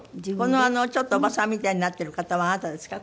このちょっとおばさんみたいになってる方はあなたですか？